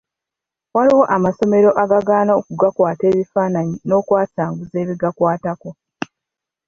Waliwo amasomero agaagaana okugakwata ebifaananyi n’okwasanguza ebigakwatako.